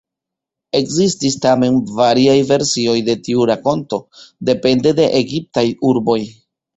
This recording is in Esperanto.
Ekzistis tamen variaj versioj de tiu rakonto depende de egiptaj urboj.